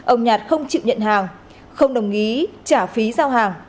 ông nhạt không chịu nhận hàng không đồng ý trả phí giao hàng